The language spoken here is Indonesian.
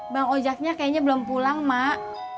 bang ojeknya kayaknya belum pulang mak